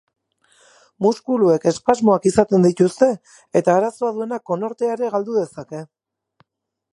Muskuluek espasmoak izaten dituzte eta arazoa duenak konortea ere galdu dezake.